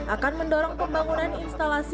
akan mendorong pembangunan instalasi